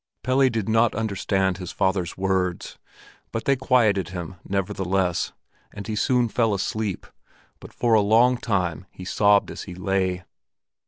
Pelle did not understand his father's words, but they quieted him nevertheless, and he soon fell asleep; but for a long time he sobbed as he lay.